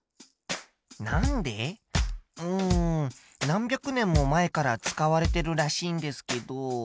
何百年も前から使われてるらしいんですけど。